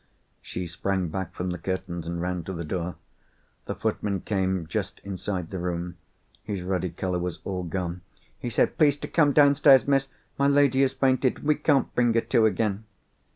She sprang back from the curtains, and ran to the door. The footman came just inside the room. His ruddy colour was all gone. He said, "Please to come downstairs, Miss! My lady has fainted, and we can't bring her to again."